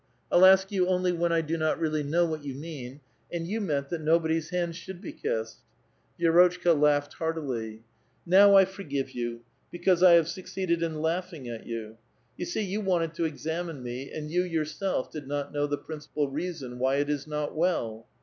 I'll ask you only when I do not really know what you mean ; and you meant that nobody's hand should be kissed." Vi6rotchka laughed heartily. A VITAL QUESTION, 125 Now I foi^ve you, because I have succeeded ia laugh ing at yon. Tou see, you wanted to examine me, and yon yourself did not know the principal reason why it is not 'well.